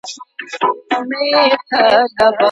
ولي هوډمن سړی د مخکښ سړي په پرتله برخلیک بدلوي؟